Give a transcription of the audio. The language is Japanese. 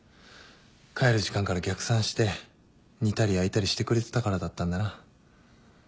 帰る時間から逆算して煮たり焼いたりしてくれてたからだったんだな。